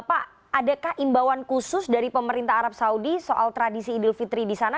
pak adakah imbauan khusus dari pemerintah arab saudi soal tradisi idul fitri di sana